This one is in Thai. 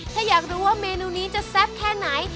ถ้าอยากรู้ว่าเมนูนี้จะแซ่บแค่ไหน